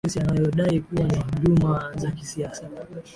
kesi anayodai kuwa ni hujuma za kisiasa